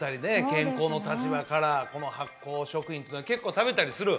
健康の立場からこの発酵食品っていうのは結構食べたりする？